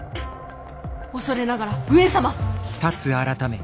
恐れながら上様。